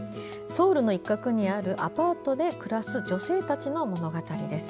ソウルの一角にあるアパートで暮らす女性たちの物語です。